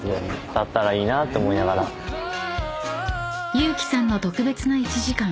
［ユーキさんの特別な１時間］